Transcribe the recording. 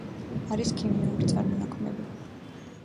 არის ქიმიური წარმონაქმნები.